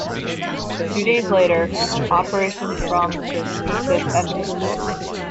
Two days later, operations from "Theseus" ended.